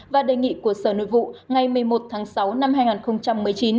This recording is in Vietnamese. và đề nghị của sở nội vụ ngày một mươi một tháng sáu năm hai nghìn một mươi chín